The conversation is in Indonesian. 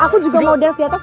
aku juga mau dance diatas